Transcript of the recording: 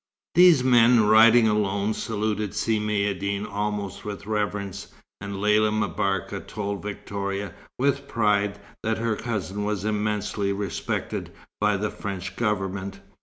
These men, riding alone, saluted Si Maïeddine almost with reverence, and Lella M'Barka told Victoria, with pride, that her cousin was immensely respected by the French Government.